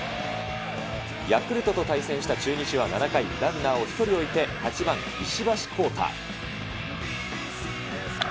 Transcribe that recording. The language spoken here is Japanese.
ヤクルトと対戦した中日は７回、ランナーを１人置いて、８番石橋康太。